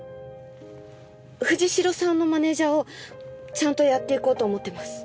藤代さんのマネージャーをちゃんとやっていこうと思ってます。